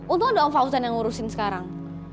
untung ada om fauzan yang ngurusin sekarang